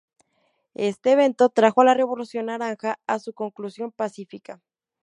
Este evento trajo a la Revolución naranja a su conclusión pacífica.